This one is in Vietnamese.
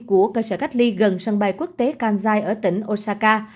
của cơ sở cách ly gần sân bay quốc tế kansai ở tỉnh osaka